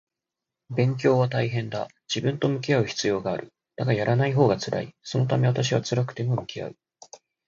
勉強は大変だ。自分と向き合う必要がある。だが、やらないほうが辛い。そのため私は辛くても向き合う